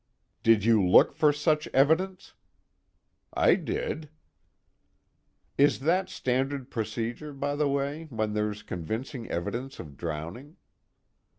"Did you look for such evidence?" "I did." "Is that standard procedure, by the way, when there's convincing evidence of drowning?"